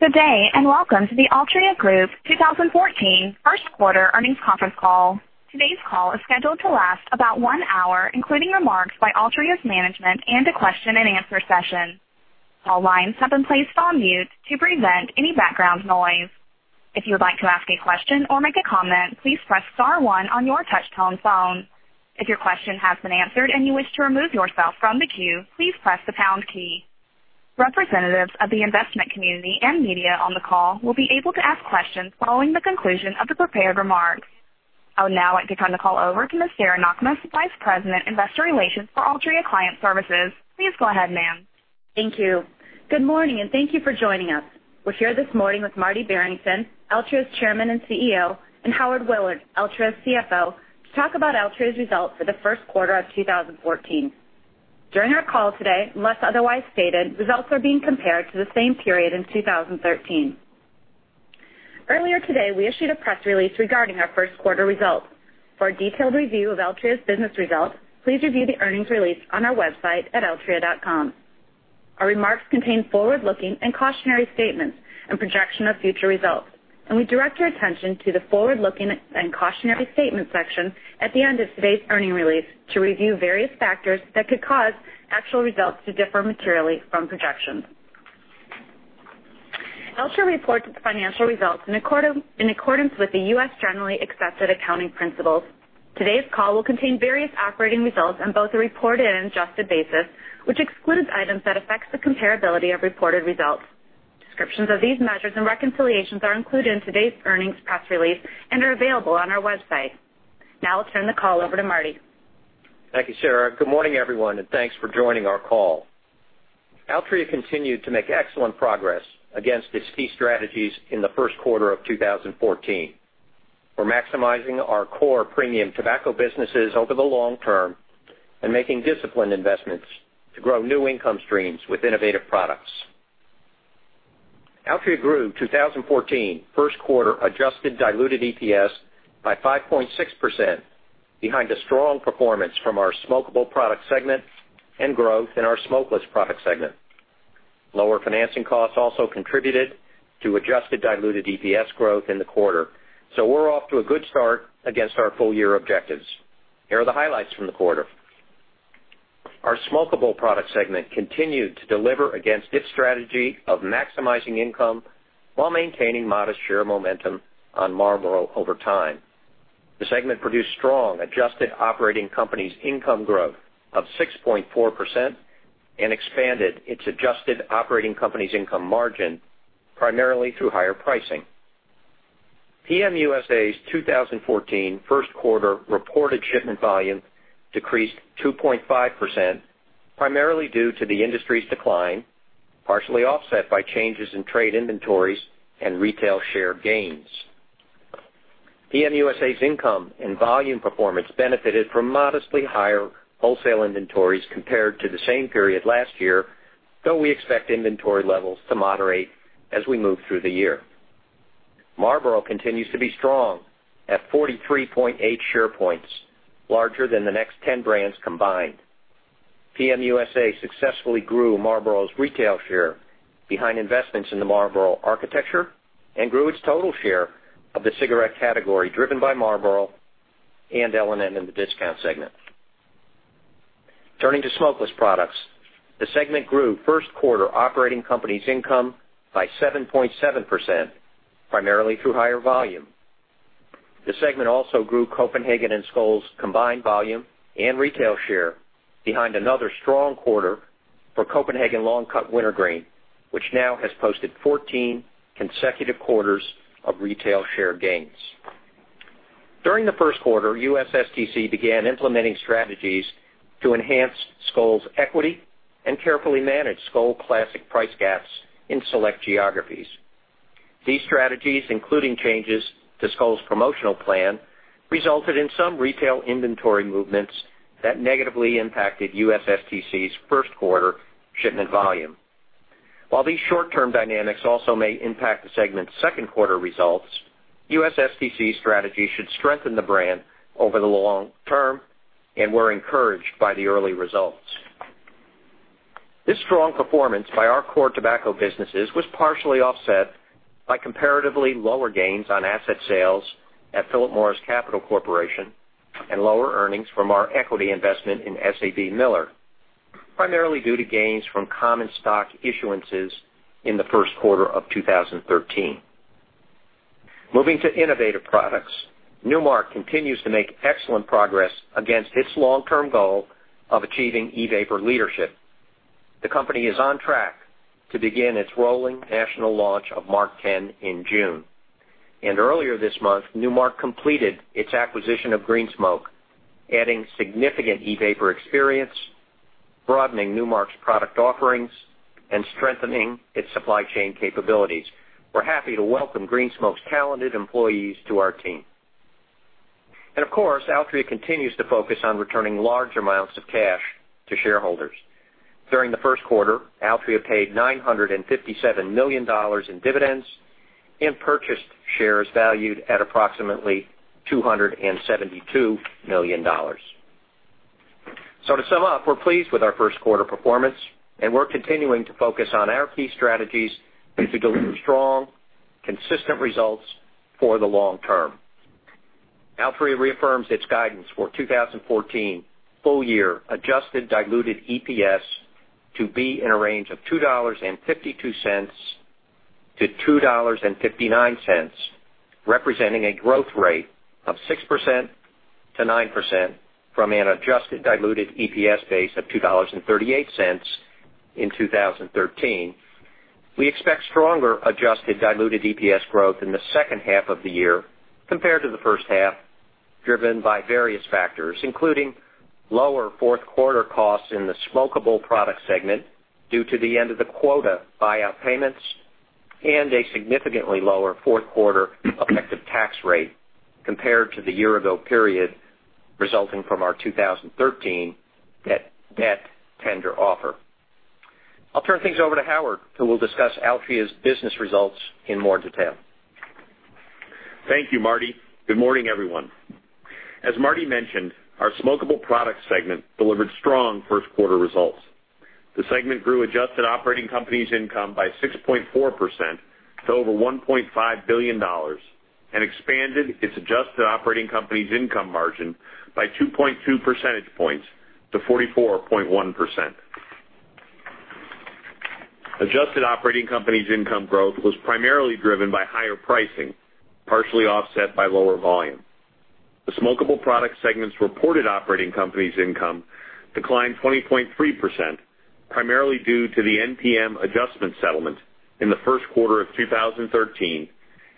Good day, and welcome to the Altria Group 2014 first quarter earnings conference call. Today's call is scheduled to last about one hour, including remarks by Altria's management and a question and answer session. All lines have been placed on mute to prevent any background noise. If you would like to ask a question or make a comment, please press star one on your touch-tone phone. If your question has been answered and you wish to remove yourself from the queue, please press the pound key. Representatives of the investment community and media on the call will be able to ask questions following the conclusion of the prepared remarks. I would now like to turn the call over to Ms. Sarah Knakmuhs, Vice President, Investor Relations for Altria Client Services. Please go ahead, ma'am. Thank you. Good morning, and thank you for joining us. We're here this morning with Martin Barrington, Altria's Chairman and CEO, and Howard Willard, Altria's CFO, to talk about Altria's results for the first quarter of 2014. During our call today, unless otherwise stated, results are being compared to the same period in 2013. Earlier today, we issued a press release regarding our first quarter results. For a detailed review of Altria's business results, please review the earnings release on our website at altria.com. Our remarks contain forward-looking and cautionary statements and projection of future results. We direct your attention to the forward-looking and cautionary statement section at the end of today's earnings release to review various factors that could cause actual results to differ materially from projections. Altria reports its financial results in accordance with the U.S. generally accepted accounting principles. Today's call will contain various operating results on both a reported and adjusted basis, which excludes items that affects the comparability of reported results. Descriptions of these measures and reconciliations are included in today's earnings press release and are available on our website. I'll turn the call over to Marty. Thank you, Sarah. Good morning, everyone, and thanks for joining our call. Altria continued to make excellent progress against its key strategies in the first quarter of 2014. We're maximizing our core premium tobacco businesses over the long term and making disciplined investments to grow new income streams with innovative products. Altria grew 2014 first quarter adjusted diluted EPS by 5.6% behind a strong performance from our Smokable Product Segment and growth in our Smokeless Product Segment. Lower financing costs also contributed to adjusted diluted EPS growth in the quarter. We're off to a good start against our full-year objectives. Here are the highlights from the quarter. Our Smokable Product Segment continued to deliver against its strategy of maximizing income while maintaining modest share momentum on Marlboro over time. The segment produced strong adjusted operating company's income growth of 6.4% and expanded its adjusted operating company's income margin primarily through higher pricing. PM USA's 2014 first quarter reported shipment volume decreased 2.5%, primarily due to the industry's decline, partially offset by changes in trade inventories and retail share gains. PM USA's income and volume performance benefited from modestly higher wholesale inventories compared to the same period last year, though we expect inventory levels to moderate as we move through the year. Marlboro continues to be strong at 43.8 share points, larger than the next 10 brands combined. PM USA successfully grew Marlboro's retail share behind investments in the Marlboro architecture and grew its total share of the cigarette category driven by Marlboro and L&M in the discount segment. Turning to smokeless products, the segment grew first quarter operating company's income by 7.7%, primarily through higher volume. The segment also grew Copenhagen and Skoal's combined volume and retail share behind another strong quarter for Copenhagen Long Cut Wintergreen, which now has posted 14 consecutive quarters of retail share gains. During the first quarter, USSTC began implementing strategies to enhance Skoal's equity and carefully manage Skoal Classic price gaps in select geographies. These strategies, including changes to Skoal's promotional plan, resulted in some retail inventory movements that negatively impacted USSTC's first quarter shipment volume. While these short-term dynamics also may impact the segment's second quarter results, USSTC's strategy should strengthen the brand over the long term, and we're encouraged by the early results. This strong performance by our core tobacco businesses was partially offset by comparatively lower gains on asset sales at Philip Morris Capital Corporation and lower earnings from our equity investment in SABMiller, primarily due to gains from common stock issuances in the first quarter of 2013. Moving to innovative products. Nu Mark continues to make excellent progress against its long-term goal of achieving e-vapor leadership. The company is on track to begin its rolling national launch of MarkTen in June. Earlier this month, Nu Mark completed its acquisition of Green Smoke, adding significant e-vapor experience, broadening Nu Mark's product offerings, and strengthening its supply chain capabilities. We're happy to welcome Green Smoke's talented employees to our team. Of course, Altria continues to focus on returning larger amounts of cash to shareholders. During the first quarter, Altria paid $957 million in dividends and purchased shares valued at approximately $272 million. To sum up, we're pleased with our first quarter performance, and we're continuing to focus on our key strategies to deliver strong, consistent results for the long term. Altria reaffirms its guidance for 2014 full year adjusted diluted EPS to be in a range of $2.52-$2.59, representing a growth rate of 6%-9% from an adjusted diluted EPS base of $2.38 in 2013. We expect stronger adjusted diluted EPS growth in the second half of the year compared to the first half, driven by various factors, including lower fourth quarter costs in the smokable product segment due to the end of the quota buyout payments, and a significantly lower fourth quarter effective tax rate compared to the year-ago period resulting from our 2013 debt tender offer. I'll turn things over to Howard, who will discuss Altria's business results in more detail. Thank you, Marty. Good morning, everyone. As Marty mentioned, our smokable product segment delivered strong first quarter results. The segment grew adjusted operating company's income by 6.4% to over $1.5 billion and expanded its adjusted operating company's income margin by 2.2 percentage points to 44.1%. Adjusted operating company's income growth was primarily driven by higher pricing, partially offset by lower volume. The smokable product segment's reported operating company's income declined 20.3%, primarily due to the NPM adjustment settlement in the first quarter of 2013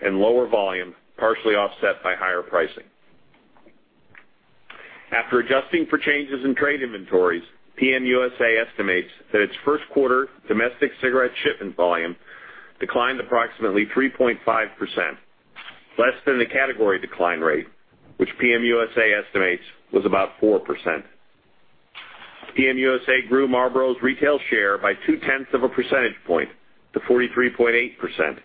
and lower volume, partially offset by higher pricing. After adjusting for changes in trade inventories, PM USA estimates that its first quarter domestic cigarette shipment volume declined approximately 3.5%, less than the category decline rate, which PM USA estimates was about 4%. PM USA grew Marlboro's retail share by two-tenths of a percentage point to 43.8%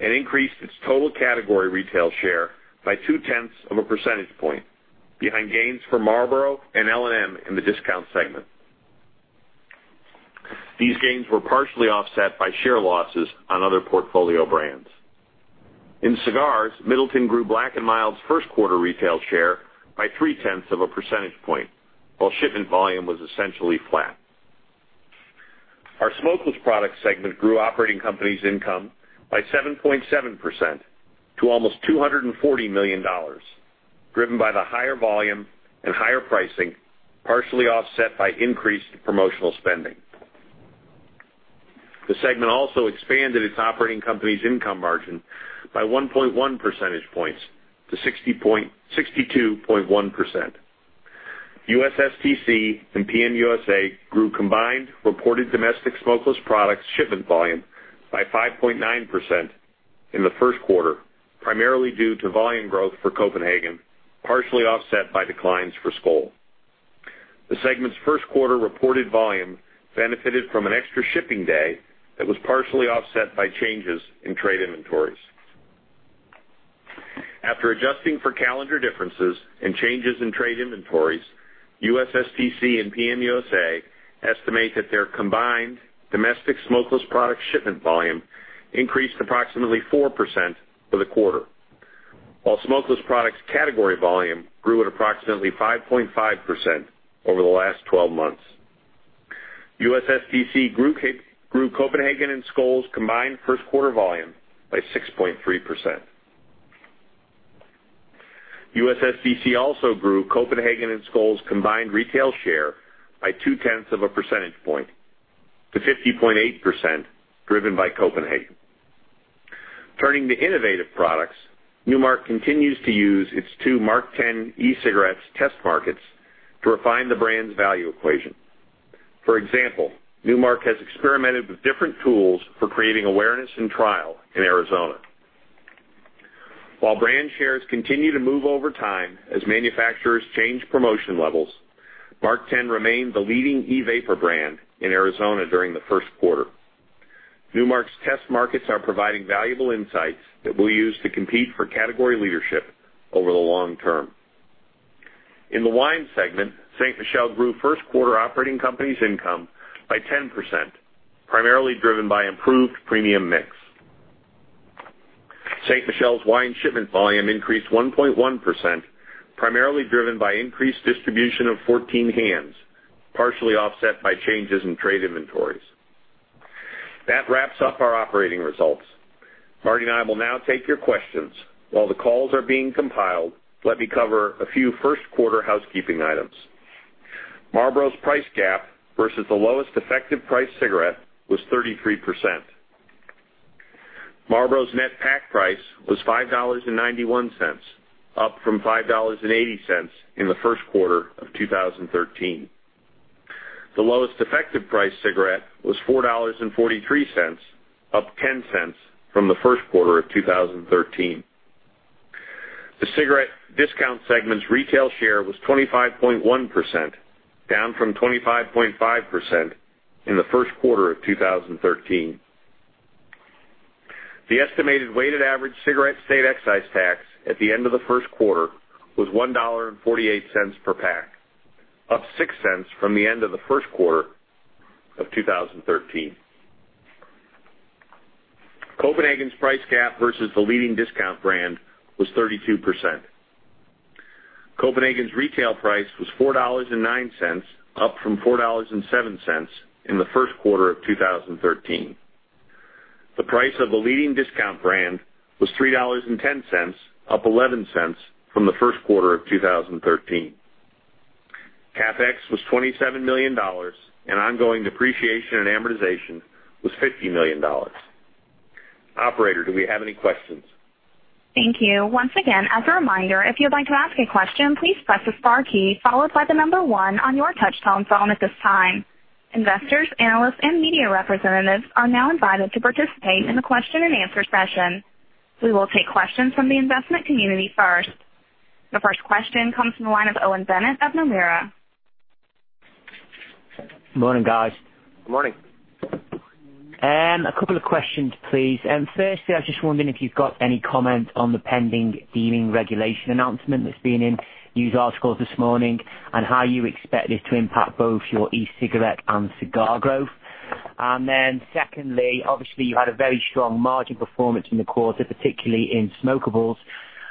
and increased its total category retail share by two-tenths of a percentage point behind gains for Marlboro and L&M in the discount segment. These gains were partially offset by share losses on other portfolio brands. In cigars, Middleton grew Black & Mild's first quarter retail share by three-tenths of a percentage point, while shipment volume was essentially flat. Our smokeless product segment grew operating company's income by 7.7% to almost $240 million, driven by the higher volume and higher pricing, partially offset by increased promotional spending. The segment also expanded its operating company's income margin by 1.1 percentage points to 62.1%. USSTC and PM USA grew combined reported domestic smokeless products shipment volume by 5.9% in the first quarter, primarily due to volume growth for Copenhagen, partially offset by declines for Skoal. The segment's first quarter reported volume benefited from an extra shipping day that was partially offset by changes in trade inventories. After adjusting for calendar differences and changes in trade inventories, USSTC and PM USA estimate that their combined domestic smokeless product shipment volume increased approximately 4% for the quarter. While smokeless products category volume grew at approximately 5.5% over the last 12 months. USSTC grew Copenhagen and Skoal's combined first quarter volume by 6.3%. USSTC also grew Copenhagen and Skoal's combined retail share by two-tenths of a percentage point to 50.8%, driven by Copenhagen. Turning to innovative products, Nu Mark continues to use its two MarkTen e-cigarettes test markets to refine the brand's value equation. For example, Nu Mark has experimented with different tools for creating awareness and trial in Arizona. While brand shares continue to move over time as manufacturers change promotion levels, MarkTen remained the leading e-vapor brand in Arizona during the first quarter. Nu Mark's test markets are providing valuable insights that we'll use to compete for category leadership over the long term. In the wine segment, Ste. Michelle grew first quarter operating company's income by 10%, primarily driven by improved premium mix. Ste. Michelle's wine shipment volume increased 1.1%, primarily driven by increased distribution of 14 Hands, partially offset by changes in trade inventories. That wraps up our operating results. Marty and I will now take your questions. While the calls are being compiled, let me cover a few first quarter housekeeping items. Marlboro's price gap versus the lowest effective price cigarette was 33%. Marlboro's net pack price was $5.91, up from $5.80 in the first quarter of 2013. The lowest effective price cigarette was $4.43, up $0.10 from the first quarter of 2013. The cigarette discount segment's retail share was 25.1%, down from 25.5% in the first quarter of 2013. The estimated weighted average cigarette state excise tax at the end of the first quarter was $1.48 per pack, up $0.06 from the end of the first quarter of 2013. Copenhagen's price gap versus the leading discount brand was 32%. Copenhagen's retail price was $4.09, up from $4.07 in the first quarter of 2013. The price of the leading discount brand was $3.10, up $0.11 from the first quarter of 2013. CapEx was $27 million, and ongoing depreciation and amortization was $50 million. Operator, do we have any questions? Thank you. Once again, as a reminder, if you'd like to ask a question, please press the star key followed by the number one on your touchtone phone at this time. Investors, analysts, and media representatives are now invited to participate in the question and answer session. We will take questions from the investment community first. The first question comes from the line of Owen Bennett of Nomura. Morning, guys. Morning. A couple of questions, please. Firstly, I was just wondering if you've got any comment on the pending deeming regulation announcement that's been in news articles this morning, and how you expect this to impact both your e-cigarette and cigar growth. Secondly, obviously, you had a very strong margin performance in the quarter, particularly in smokables.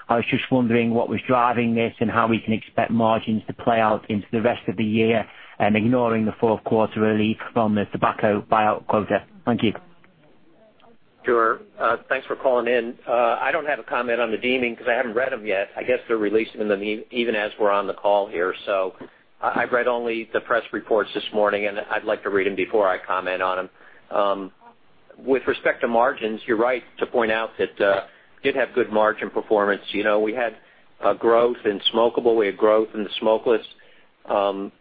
I was just wondering what was driving this and how we can expect margins to play out into the rest of the year, ignoring the fourth quarter relief from the tobacco buyout quota. Thank you. Sure. Thanks for calling in. I don't have a comment on the deeming because I haven't read them yet. I guess they're releasing them even as we're on the call here. I've read only the press reports this morning, and I'd like to read them before I comment on them. With respect to margins, you're right to point out that we did have good margin performance. We had growth in smokable, we had growth in the smokeless, and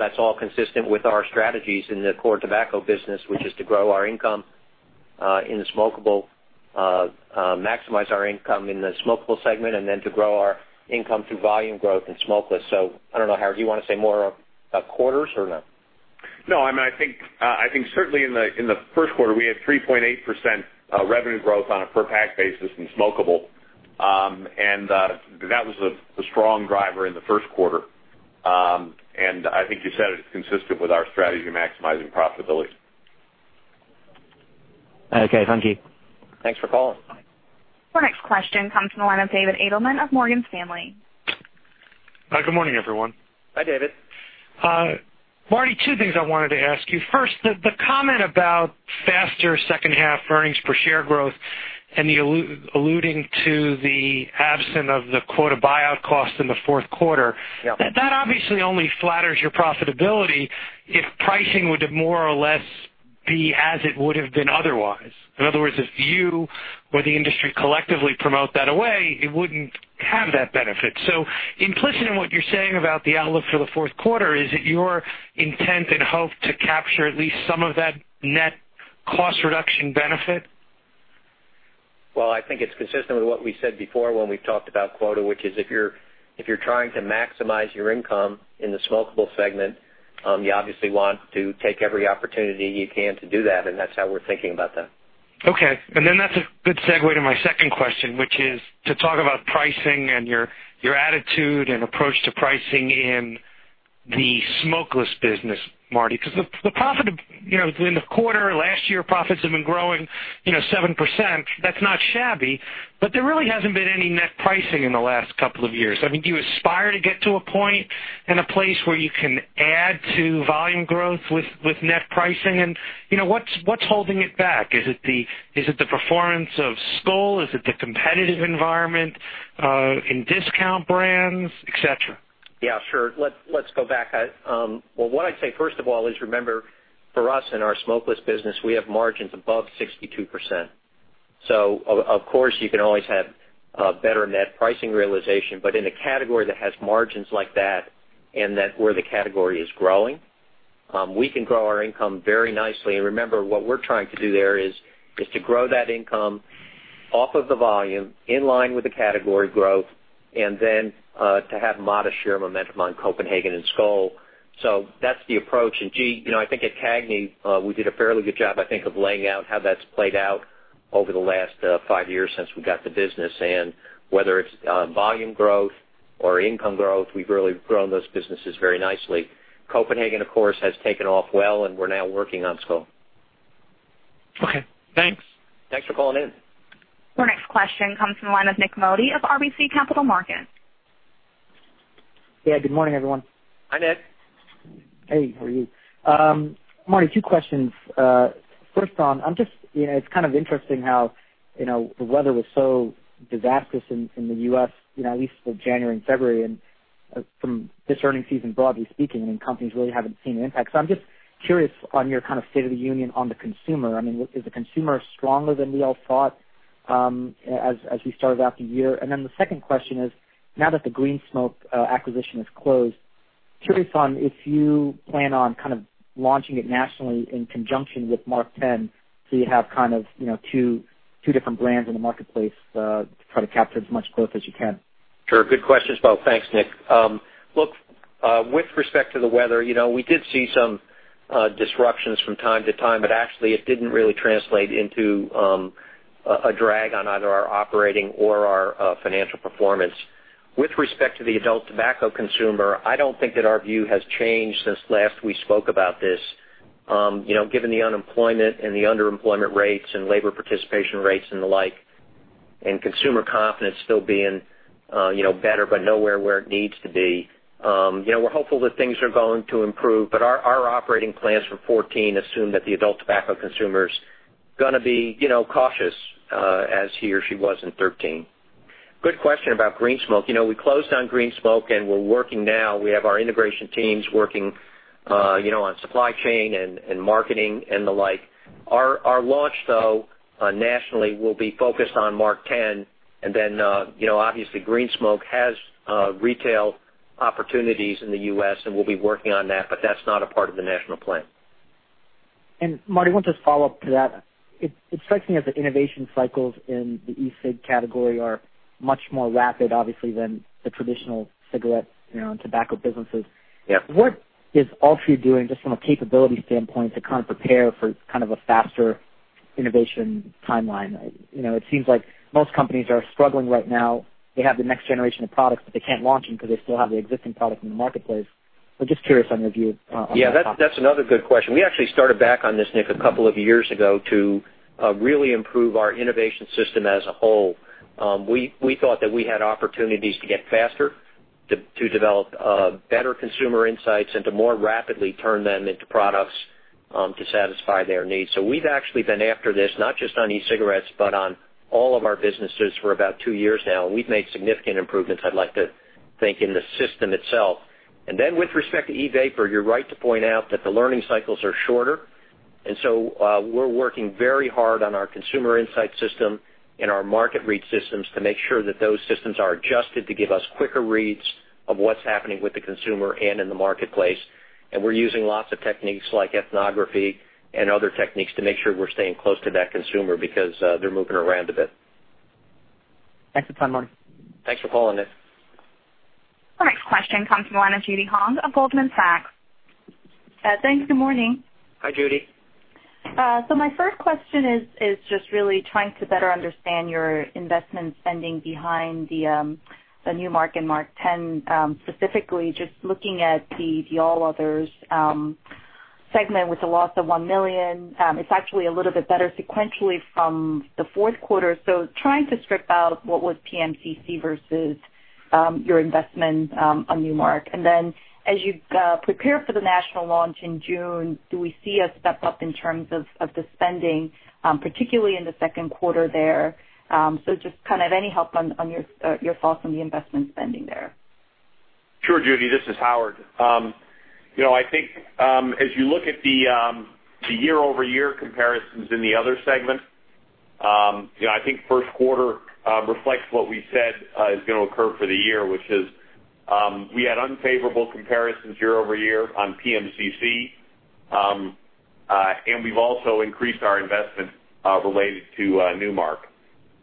that's all consistent with our strategies in the core tobacco business, which is to grow our income in the smokable, maximize our income in the smokable segment, and then to grow our income through volume growth in smokeless. I don't know, Howard, do you want to say more about quarters or no? No, I think certainly in the first quarter, we had 3.8% revenue growth on a per pack basis in smokable. That was a strong driver in the first quarter. I think you said it's consistent with our strategy of maximizing profitability. Okay, thank you. Thanks for calling. Our next question comes from the line of David Adelman of Morgan Stanley. Hi, good morning, everyone. Hi, David. Marty, two things I wanted to ask you. First, the comment about faster second half earnings per share growth and the alluding to the absence of the quota buyout cost in the fourth quarter. Yeah. That obviously only flatters your profitability if pricing would more or less be as it would've been otherwise. In other words, if you or the industry collectively promote that away, it wouldn't have that benefit. Implicit in what you're saying about the outlook for the fourth quarter, is it your intent and hope to capture at least some of that net cost reduction benefit? Well, I think it's consistent with what we said before when we talked about quota, which is if you're trying to maximize your income in the smokable segment, you obviously want to take every opportunity you can to do that, and that's how we're thinking about that. Okay. That's a good segue to my second question, which is to talk about pricing and your attitude and approach to pricing in the smokeless business, Marty. The profit during the quarter, last year, profits have been growing 7%. That's not shabby, but there really hasn't been any net pricing in the last couple of years. I mean, do you aspire to get to a point and a place where you can add to volume growth with net pricing? What's holding it back? Is it the performance of Skoal? Is it the competitive environment in discount brands, et cetera? Yeah, sure. Let's go back. Well, what I'd say first of all is remember for us in our smokeless business, we have margins above 62%. Of course, you can always have better net pricing realization. In a category that has margins like that and where the category is growing, we can grow our income very nicely. Remember, what we're trying to do there is to grow that income off of the volume, in line with the category growth, and then to have modest share momentum on Copenhagen and Skoal. That's the approach. Gee, I think at CAGNY, we did a fairly good job, I think, of laying out how that's played out over the last five years since we got the business. Whether it's volume growth or income growth, we've really grown those businesses very nicely. Copenhagen, of course, has taken off well, and we're now working on Skoal. Okay, thanks. Thanks for calling in. Our next question comes from the line of Nik Modi of RBC Capital Markets. Yeah, good morning, everyone. Hi, Nik. Hey, how are you? Marty, two questions. First on, it's kind of interesting how the weather was so disastrous in the U.S. at least for January and February, and from this earnings season, broadly speaking, I mean, companies really haven't seen an impact. I'm just curious on your kind of state of the union on the consumer. I mean, is the consumer stronger than we all thought as we started out the year? The second question is, now that the Green Smoke acquisition is closed, curious on if you plan on kind of launching it nationally in conjunction with MarkTen, so you have kind of two different brands in the marketplace to try to capture as much growth as you can. Sure. Good questions. Well, thanks, Nik. Look With respect to the weather, we did see some disruptions from time to time, but actually, it didn't really translate into a drag on either our operating or our financial performance. With respect to the adult tobacco consumer, I don't think that our view has changed since last we spoke about this. Given the unemployment and the underemployment rates and labor participation rates and the like, and consumer confidence still being better, but nowhere where it needs to be. We're hopeful that things are going to improve, but our operating plans for 2014 assume that the adult tobacco consumer's going to be cautious, as he or she was in 2013. Good question about Green Smoke. We closed on Green Smoke, and we're working now. We have our integration teams working on supply chain and marketing and the like. Our launch, though, nationally, will be focused on MarkTen. Obviously, Green Smoke has retail opportunities in the U.S. and we'll be working on that, but that's not a part of the national plan. Marty, one just follow-up to that. It strikes me as the innovation cycles in the e-cig category are much more rapid, obviously, than the traditional cigarette and tobacco businesses. Yep. What is Altria doing, just from a capability standpoint, to kind of prepare for kind of a faster innovation timeline? It seems like most companies are struggling right now. They have the next generation of products, but they can't launch them because they still have the existing product in the marketplace. Just curious on your view on that topic. Yeah, that's another good question. We actually started back on this, Nik, a couple of years ago to really improve our innovation system as a whole. We thought that we had opportunities to get faster, to develop better consumer insights, and to more rapidly turn them into products to satisfy their needs. We've actually been after this, not just on e-cigarettes, but on all of our businesses for about two years now, and we've made significant improvements, I'd like to think, in the system itself. Then with respect to e-vapor, you're right to point out that the learning cycles are shorter. We're working very hard on our consumer insight system and our market read systems to make sure that those systems are adjusted to give us quicker reads of what's happening with the consumer and in the marketplace. We're using lots of techniques like ethnography and other techniques to make sure we're staying close to that consumer because they're moving around a bit. Thanks for the time, Marty. Thanks for calling, Nik. Our next question comes from the line of Judy Hong of Goldman Sachs. Thanks. Good morning. Hi, Judy. My first question is just really trying to better understand your investment spending behind the Nu Mark and MarkTen, specifically just looking at the all others segment with the loss of $1 million. It's actually a little bit better sequentially from the fourth quarter. Trying to strip out what was PMCC versus your investment on Nu Mark. As you prepare for the national launch in June, do we see a step-up in terms of the spending, particularly in the second quarter there? Just any help on your thoughts on the investment spending there? Sure, Judy. This is Howard. I think as you look at the year-over-year comparisons in the other segment, I think first quarter reflects what we said is going to occur for the year, which is we had unfavorable comparisons year-over-year on PMCC. We've also increased our investment related to Nu Mark.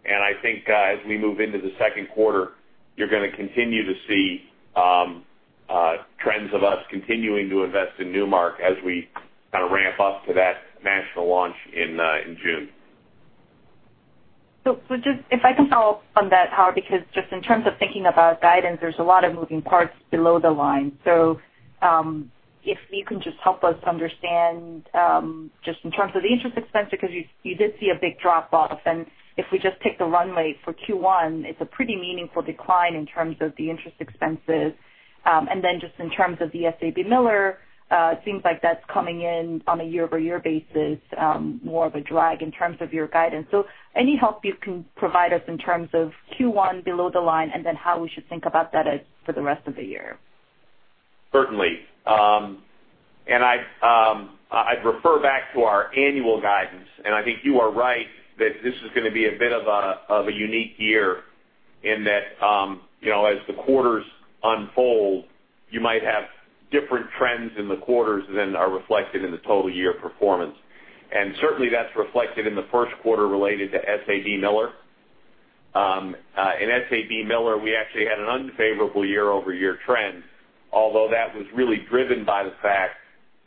I think as we move into the second quarter, you're going to continue to see trends of us continuing to invest in Nu Mark as we kind of ramp up to that national launch in June. Just if I can follow up on that, Howard, because just in terms of thinking about guidance, there's a lot of moving parts below the line. If you can just help us understand just in terms of the interest expense, because you did see a big drop-off. If we just take the runway for Q1, it's a pretty meaningful decline in terms of the interest expenses. Just in terms of the SABMiller, it seems like that's coming in on a year-over-year basis, more of a drag in terms of your guidance. Any help you can provide us in terms of Q1 below the line, and then how we should think about that for the rest of the year? Certainly. I'd refer back to our annual guidance, I think you are right that this is going to be a bit of a unique year in that as the quarters unfold, you might have different trends in the quarters than are reflected in the total year performance. Certainly, that's reflected in the first quarter related to SABMiller. In SABMiller, we actually had an unfavorable year-over-year trend, although that was really driven by the fact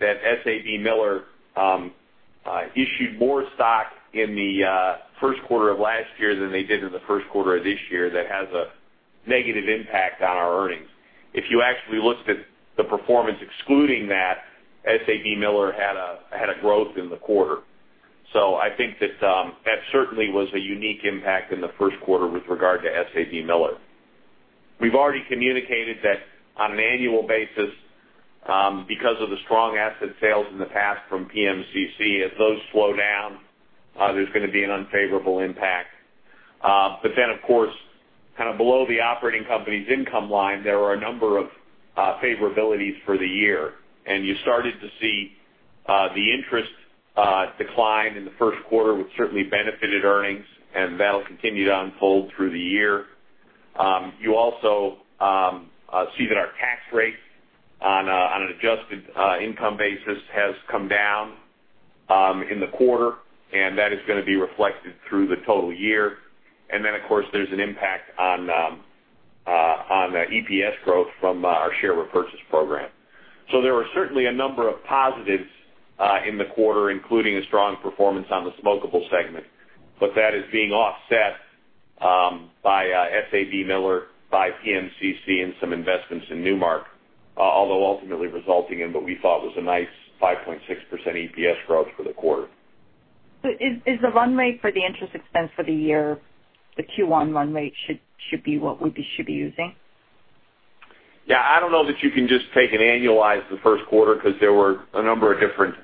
that SABMiller issued more stock in the first quarter of last year than they did in the first quarter of this year. That has a negative impact on our earnings. If you actually looked at the performance excluding that, SABMiller had a growth in the quarter. I think that certainly was a unique impact in the first quarter with regard to SABMiller. We've already communicated that on an annual basis because of the strong asset sales in the past from PMCC. As those slow down, there's going to be an unfavorable impact. Of course, kind of below the operating company's income line, there are a number of favorabilities for the year. You started to see the interest decline in the first quarter, which certainly benefited earnings, and that'll continue to unfold through the year. You also see that our tax rate on an adjusted income basis has come down in the quarter, and that is going to be reflected through the total year. Of course, there's an impact on EPS growth from our share repurchase program. There are certainly a number of positives in the quarter, including a strong performance on the smokable segment. That is being offset by SABMiller, by PMCC, and some investments in Nu Mark, although ultimately resulting in what we thought was a nice 5.6% EPS growth for the quarter. Is the run rate for the interest expense for the year, the Q1 run rate should be what we should be using? Yeah. I don't know that you can just take and annualize the first quarter because there were a number of different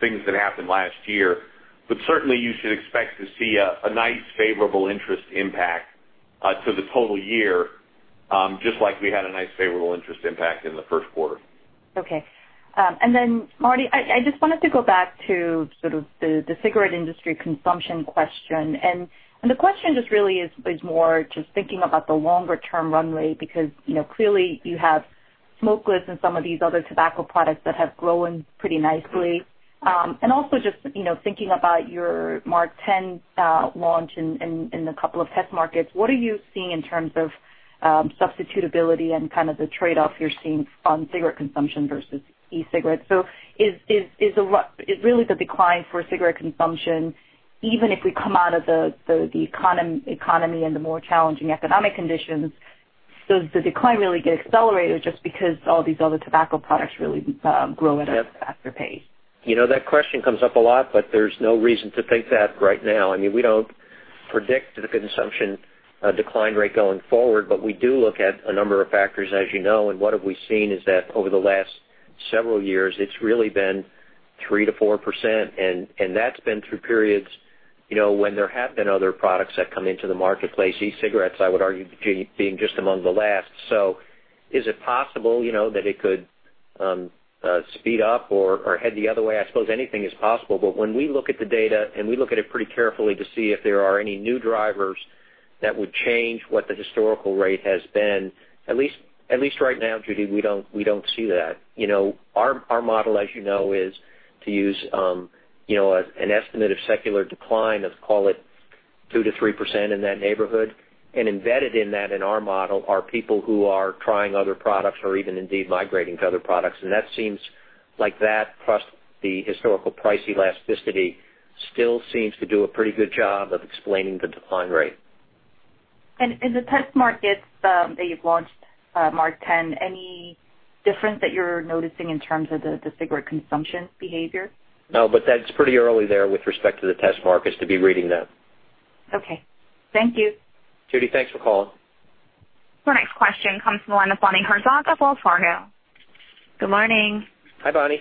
things that happened last year. Certainly, you should expect to see a nice favorable interest impact to the total year, just like we had a nice favorable interest impact in the first quarter. Okay. Marty, I just wanted to go back to sort of the cigarette industry consumption question. The question just really is more just thinking about the longer term run rate, because clearly you have smokeless and some of these other tobacco products that have grown pretty nicely. Also just thinking about your MarkTen launch in a couple of test markets, what are you seeing in terms of substitutability and kind of the trade-off you're seeing on cigarette consumption versus e-cigarettes? Is really the decline for cigarette consumption, even if we come out of the economy and the more challenging economic conditions, does the decline really get accelerated just because all these other tobacco products really grow at a faster pace? That question comes up a lot, there's no reason to think that right now. We don't predict the consumption decline rate going forward, we do look at a number of factors, as you know. What have we seen is that over the last several years, it's really been 3%-4%, and that's been through periods when there have been other products that come into the marketplace, e-cigarettes, I would argue, being just among the last. Is it possible that it could speed up or head the other way? I suppose anything is possible. When we look at the data, and we look at it pretty carefully to see if there are any new drivers that would change what the historical rate has been, at least right now, Judy, we don't see that. Our model, as you know, is to use an estimate of secular decline of, call it, 2%-3% in that neighborhood. Embedded in that, in our model, are people who are trying other products or even indeed migrating to other products. That seems like that, plus the historical price elasticity, still seems to do a pretty good job of explaining the decline rate. In the test markets that you've launched MarkTen, any difference that you're noticing in terms of the cigarette consumption behavior? No, that's pretty early there with respect to the test markets to be reading that. Okay. Thank you. Judy, thanks for calling. Our next question comes from the line of Bonnie Herzog of Wells Fargo. Good morning. Hi, Bonnie.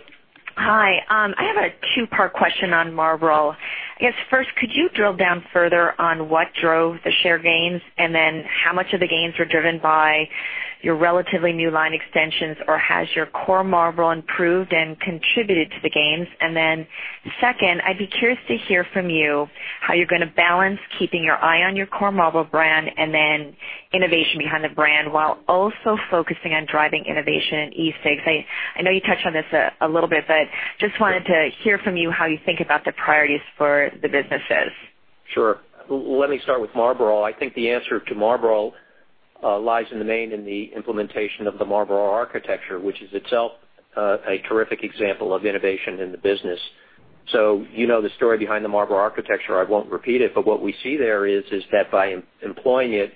Hi. I have a two-part question on Marlboro. I guess first, could you drill down further on what drove the share gains, then how much of the gains were driven by your relatively new line extensions, or has your core Marlboro improved and contributed to the gains? Second, I'd be curious to hear from you how you're going to balance keeping your eye on your core Marlboro brand and then innovation behind the brand while also focusing on driving innovation in e-cigs. I know you touched on this a little bit, but just wanted to hear from you how you think about the priorities for the businesses. Sure. Let me start with Marlboro. I think the answer to Marlboro lies in the main in the implementation of the Marlboro brand architecture, which is itself a terrific example of innovation in the business. You know the story behind the Marlboro brand architecture. I won't repeat it, but what we see there is that by employing it,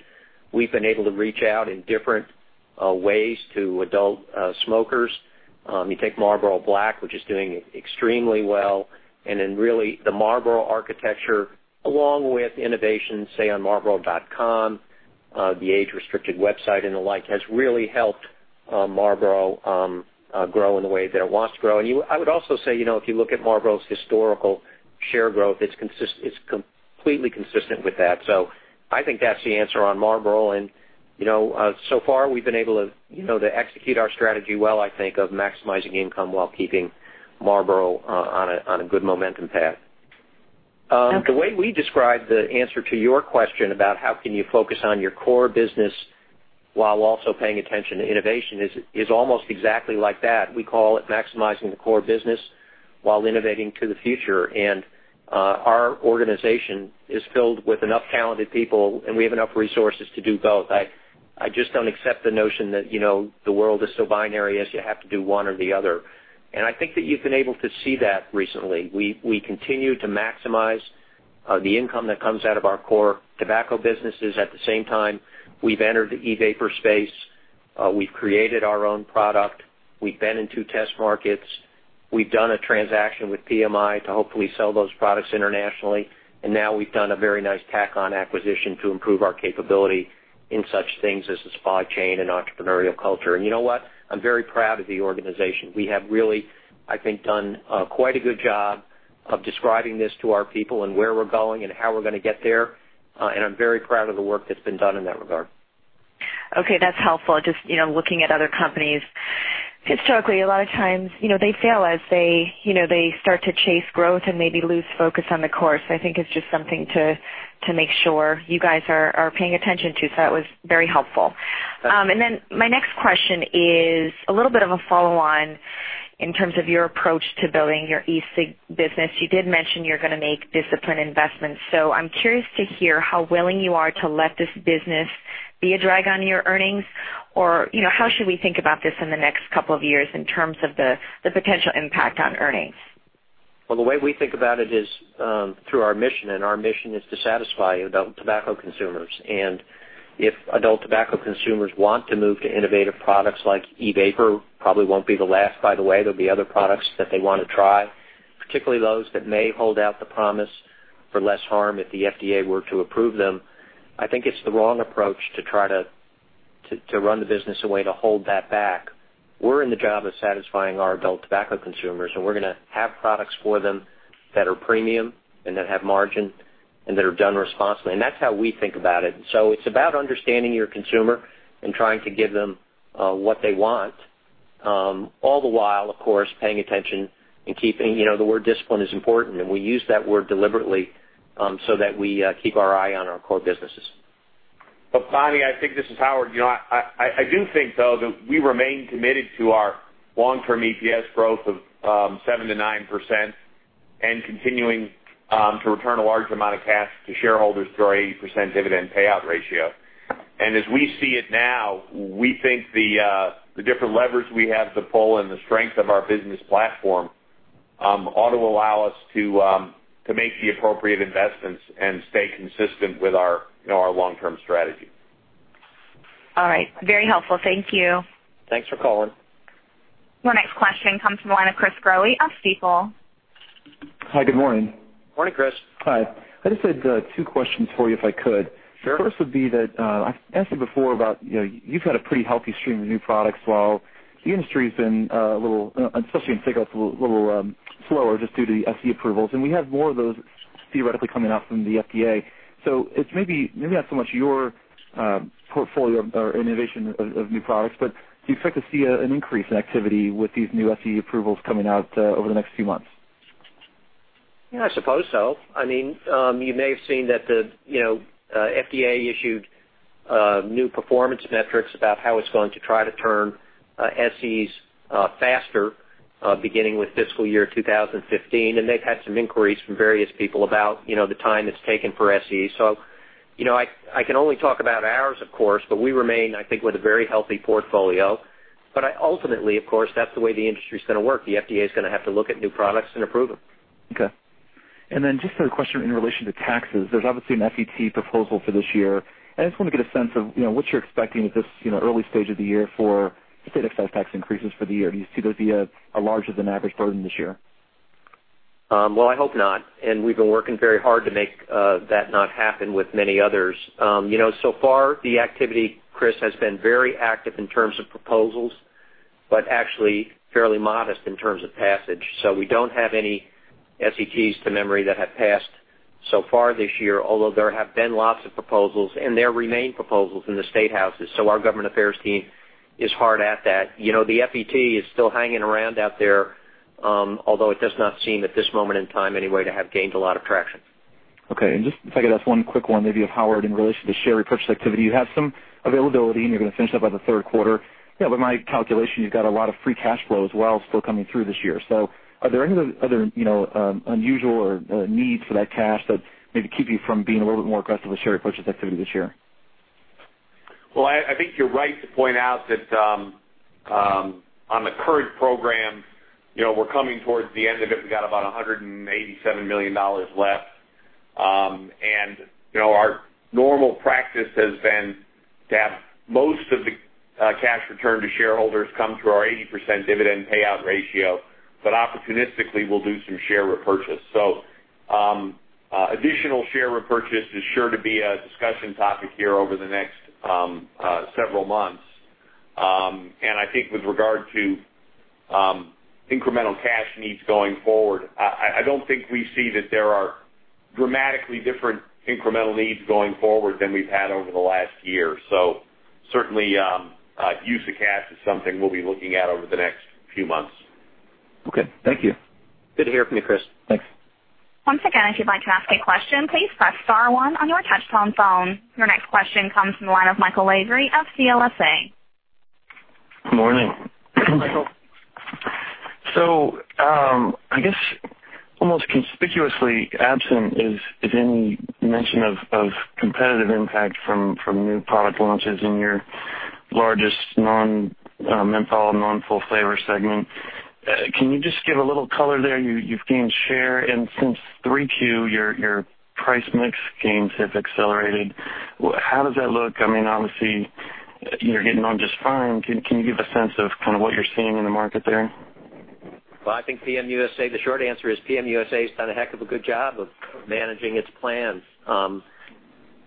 we've been able to reach out in different ways to adult smokers. You take Marlboro Black, which is doing extremely well. Really the Marlboro brand architecture, along with innovation, say on marlboro.com, the age-restricted website and the like, has really helped Marlboro grow in the way that it wants to grow. I would also say, if you look at Marlboro's historical share growth, it's completely consistent with that. I think that's the answer on Marlboro. So far we've been able to execute our strategy well, I think, of maximizing income while keeping Marlboro on a good momentum path. Okay. The way we describe the answer to your question about how can you focus on your core business while also paying attention to innovation is almost exactly like that. We call it maximizing the core business while innovating to the future. Our organization is filled with enough talented people, and we have enough resources to do both. I just don't accept the notion that the world is so binary as you have to do one or the other. I think that you've been able to see that recently. We continue to maximize the income that comes out of our core tobacco businesses. At the same time, we've entered the e-vapor space. We've created our own product. We've been in two test markets. We've done a transaction with PMI to hopefully sell those products internationally. Now we've done a very nice tack-on acquisition to improve our capability in such things as the supply chain and entrepreneurial culture. You know what? I'm very proud of the organization. We have really, I think, done quite a good job of describing this to our people and where we're going and how we're going to get there. I'm very proud of the work that's been done in that regard. Okay. That's helpful. Just looking at other companies. Historically, a lot of times they fail as they start to chase growth and maybe lose focus on the core. I think it's just something to To make sure you guys are paying attention too, that was very helpful. Okay. My next question is a little bit of a follow-on in terms of your approach to building your e-cig business. You did mention you're going to make disciplined investments. I'm curious to hear how willing you are to let this business be a drag on your earnings, or how should we think about this in the next couple of years in terms of the potential impact on earnings? Well, the way we think about it is through our mission, our mission is to satisfy adult tobacco consumers. If adult tobacco consumers want to move to innovative products like e-vapor, probably won't be the last, by the way. There'll be other products that they want to try, particularly those that may hold out the promise for less harm if the FDA were to approve them. I think it's the wrong approach to try to run the business away, to hold that back. We're in the job of satisfying our adult tobacco consumers, we're going to have products for them that are premium and that have margin and that are done responsibly. That's how we think about it. It's about understanding your consumer and trying to give them what they want. All the while, of course, paying attention and keeping, the word discipline is important, we use that word deliberately, that we keep our eye on our core businesses. Bonnie, I think this is Howard. I do think, though, that we remain committed to our long-term EPS growth of 7%-9% and continuing to return a large amount of cash to shareholders through our 80% dividend payout ratio. As we see it now, we think the different levers we have to pull and the strength of our business platform ought to allow us to make the appropriate investments and stay consistent with our long-term strategy. All right. Very helpful. Thank you. Thanks for calling. Your next question comes from the line of Chris Growe of Stifel. Hi, good morning. Morning, Chris. Hi. I just had two questions for you, if I could. Sure. First would be that I've asked you before about, you've had a pretty healthy stream of new products while the industry's been a little, especially in cigs, a little slower just due to the SE approvals, and we have more of those theoretically coming out from the FDA. It's maybe not so much your portfolio or innovation of new products, but do you expect to see an increase in activity with these new SE approvals coming out over the next few months? Yeah, I suppose so. You may have seen that the FDA issued new performance metrics about how it's going to try to turn SEs faster, beginning with fiscal year 2015. They've had some inquiries from various people about the time it's taken for SEs. I can only talk about ours, of course, but we remain, I think, with a very healthy portfolio. Ultimately, of course, that's the way the industry's going to work. The FDA is going to have to look at new products and approve them. Okay. Just another question in relation to taxes. There's obviously an FET proposal for this year. I just want to get a sense of what you're expecting at this early stage of the year for state excise tax increases for the year. Do you see there'll be a larger than average burden this year? Well, I hope not. We've been working very hard to make that not happen with many others. Far, the activity, Chris, has been very active in terms of proposals, actually fairly modest in terms of passage. We don't have any SETs to memory that have passed so far this year, although there have been lots of proposals. There remain proposals in the state houses. Our government affairs team is hard at that. The FET is still hanging around out there, although it does not seem at this moment in time, anyway, to have gained a lot of traction. Okay. Just if I could ask one quick one, maybe of Howard, in relation to share repurchase activity. You have some availability. You're going to finish up by the third quarter. My calculation, you've got a lot of free cash flow as well still coming through this year. Are there any other unusual or needs for that cash that maybe keep you from being a little bit more aggressive with share repurchase activity this year? Well, I think you're right to point out that on the current program, we're coming towards the end of it. We've got about $187 million left. Our normal practice has been to have most of the cash return to shareholders come through our 80% dividend payout ratio. Opportunistically, we'll do some share repurchase. Additional share repurchase is sure to be a discussion topic here over the next several months. I think with regard to incremental cash needs going forward, I don't think we see that there are dramatically different incremental needs going forward than we've had over the last year. Certainly, use of cash is something we'll be looking at over the next few months. Okay. Thank you. Good to hear from you, Chris. Thanks. Once again, if you'd like to ask a question, please press * one on your touchtone phone. Your next question comes from the line of Michael Lavery of CLSA. Morning. Michael. I guess almost conspicuously absent is any mention of competitive impact from new product launches in your largest non-menthol, non-full flavor segment. Can you just give a little color there? You've gained share, and since 3Q, your price mix gains have accelerated. How does that look? Obviously, you're getting on just fine. Can you give a sense of what you're seeing in the market there? Well, I think PM USA, the short answer is PM USA has done a heck of a good job of managing its plans.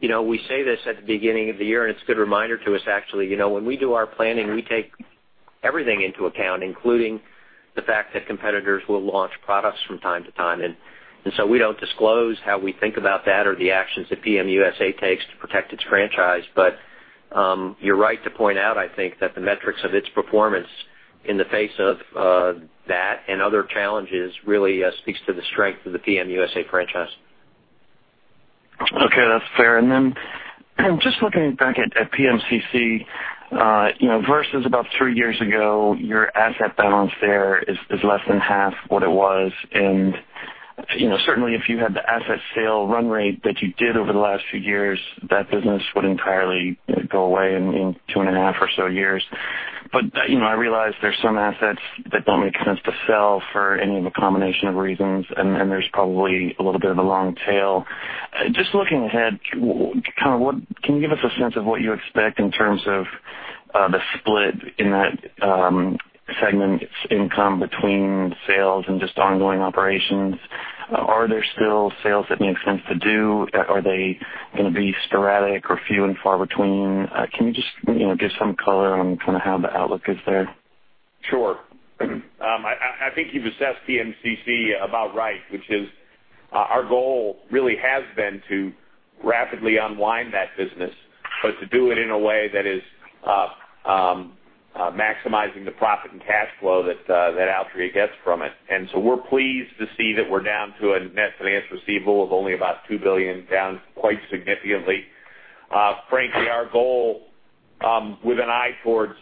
We say this at the beginning of the year, and it's a good reminder to us, actually. When we do our planning, we take everything into account, including the fact that competitors will launch products from time to time. We don't disclose how we think about that or the actions that PM USA takes to protect its franchise. You're right to point out, I think, that the metrics of its performance in the face of that and other challenges really speaks to the strength of the PM USA franchise. Okay, that's fair. Just looking back at PMCC, versus about three years ago, your asset balance there is less than half what it was. Certainly, if you had the asset sale run rate that you did over the last few years, that business would entirely go away in two and a half or so years. I realize there's some assets that don't make sense to sell for any of a combination of reasons, and there's probably a little bit of a long tail. Just looking ahead, can you give us a sense of what you expect in terms of the split in that segment's income between sales and just ongoing operations? Are there still sales that make sense to do? Are they going to be sporadic or few and far between? Can you just give some color on how the outlook is there? Sure. I think you've assessed PMCC about right, which is our goal really has been to rapidly unwind that business, but to do it in a way that is maximizing the profit and cash flow that Altria gets from it. We're pleased to see that we're down to a net finance receivable of only about $2 billion, down quite significantly. Frankly, our goal, with an eye towards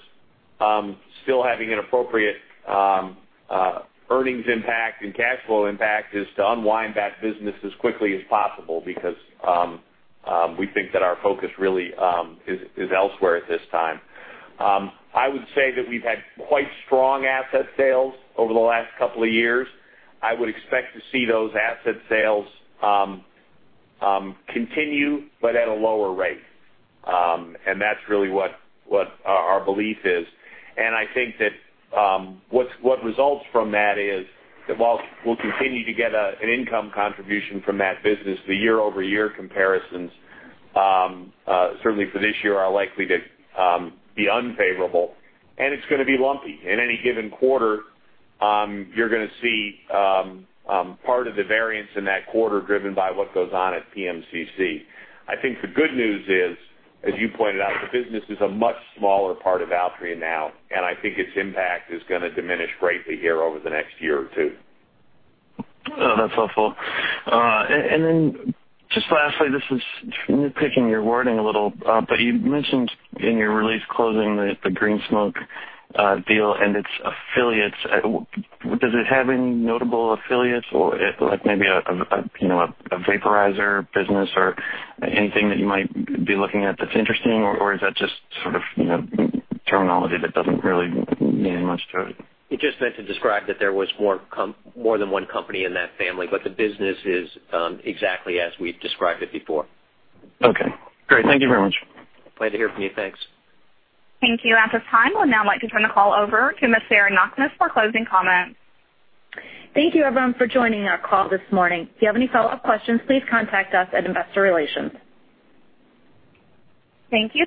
still having an appropriate earnings impact and cash flow impact, is to unwind that business as quickly as possible, because we think that our focus really is elsewhere at this time. I would say that we've had quite strong asset sales over the last couple of years. I would expect to see those asset sales continue, but at a lower rate. That's really what our belief is. What results from that is that while we'll continue to get an income contribution from that business, the year-over-year comparisons, certainly for this year, are likely to be unfavorable, and it's going to be lumpy. In any given quarter, you're going to see part of the variance in that quarter driven by what goes on at PMCC. I think the good news is, as you pointed out, the business is a much smaller part of Altria now, and I think its impact is going to diminish greatly here over the next year or two. That's helpful. Then just lastly, this is nitpicking your wording a little, but you mentioned in your release closing the Green Smoke deal and its affiliates. Does it have any notable affiliates or like maybe a vaporizer business or anything that you might be looking at that's interesting? Or is that just sort of terminology that doesn't really mean much to it? It's just meant to describe that there was more than one company in that family, but the business is exactly as we've described it before. Okay, great. Thank you very much. Glad to hear from you. Thanks. Thank you. At this time, we'd now like to turn the call over to Ms. Sarah Knakmuhs for closing comments. Thank you, everyone, for joining our call this morning. If you have any follow-up questions, please contact us at Investor Relations. Thank you.